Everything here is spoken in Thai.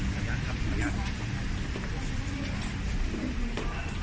ขออนุญาตครับขออนุญาต